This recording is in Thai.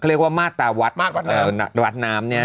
ก็เรียกว่ามาตราวัดน้ำเนี่ย